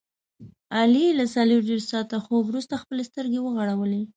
علي له څلوریشت ساعته خوب ورسته خپلې سترګې وغړولې.